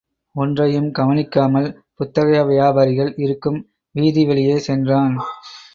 ஒன்றையும் கவனிக்காமல், புத்தக வியாபாரிகள் இருக்கும் வீதிவழியே சென்றான்.